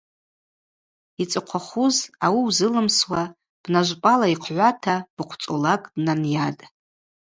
Йцыӏхъвахуз ауи узылымсуа бна жвпӏала йхъгӏвата быхъв цӏолакӏ днанйатӏ.